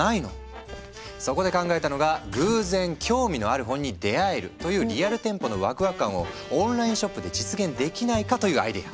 そこで考えたのが偶然興味のある本に出会えるというリアル店舗のワクワク感をオンラインショップで実現できないかというアイデア。